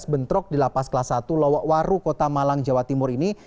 bentrok di lapas kelas satu waru kota malang jawa timur ini